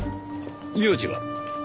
名字は？